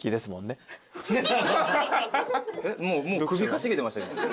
もう首かしげてました今。